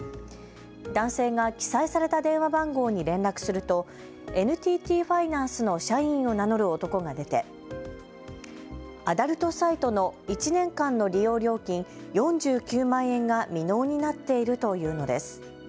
男性が記載された電話番号に連絡するとＮＴＴファイナンスの社員を名乗る男が出てアダルトサイトの１年間の利用料金４９万円が未納になっていると言うのです。